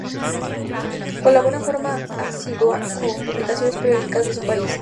Colabora en forma asidua con publicaciones periódicas de su país.